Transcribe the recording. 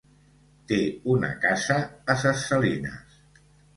Té una casa a Ses Salines.